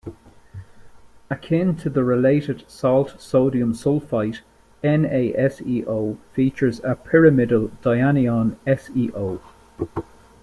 Akin to the related salt sodium sulfite, NaSeO features a pyramidal dianion SeO.